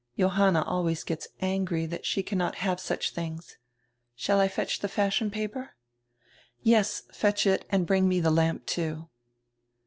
Johanna always gets angry diat she cannot have such tilings. Shall I fetch die fashion paper?" "Yes, fetch it and bring me die lamp, too."